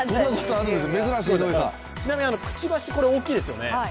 ちなみにくちばし、大きいですよね